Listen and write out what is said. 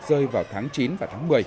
rơi vào tháng chín và tháng một mươi